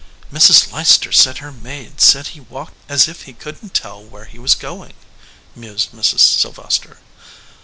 "Mrs. Leicester said her maid said he walked as if he couldn t tell where he was going," mused Mrs. Sylvester.